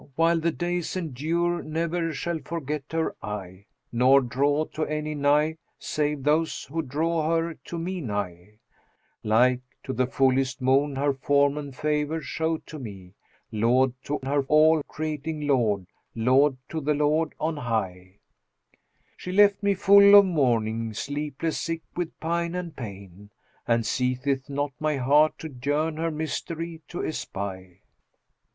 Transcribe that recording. while the days endure ne'er shall forget her I, * Nor draw to any nigh save those who draw her to me nigh Like to the fullest moon her form and favour show to me, * Laud to her All creating Lord, laud to the Lord on high, She left me full of mourning, sleepless, sick with pine and pain * And ceaseth not my heart to yearn her mystery[FN#208] to espy."